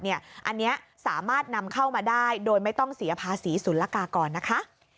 อันนี้สามารถนำเข้ามาได้โดยไม่ต้องเสียภาษีศูนย์ละกากรนะคะ